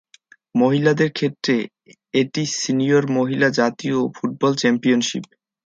মহিলাদের ক্ষেত্রে এটি সিনিয়র মহিলা জাতীয় ফুটবল চ্যাম্পিয়নশিপ।